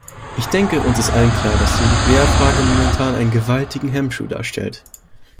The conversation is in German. Ich denke, uns ist allen klar, dass die Nuklearfrage momentan einen gewaltigen Hemmschuh darstellt.